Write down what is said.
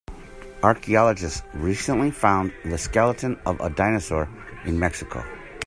Archaeologists recently found the skeleton of a dinosaur in Mexico.